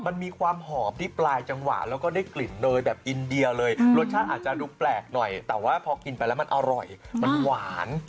มันมีความหอมที่ปลายจังหวะแล้วก็ได้กลิ่นเนยแบบอินเดียเลยรสชาติอาจจะดูแปลกหน่อยแต่ว่าพอกินไปแล้วมันอร่อยมันหวาน